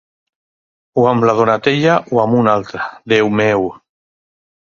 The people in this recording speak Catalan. O amb la Donatella o amb una altra, Déu meu!